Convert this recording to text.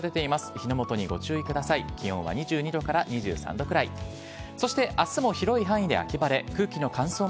火の元にご注意ください。